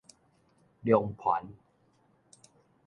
龍磐